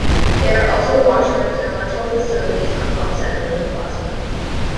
There are also washrooms and electrical facilities on the opposite end of the plaza.